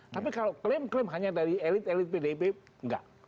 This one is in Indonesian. tapi kalau klaim klaim hanya dari elit elit pdip enggak